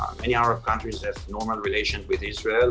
banyak negara arab yang memiliki hubungan normal dengan israel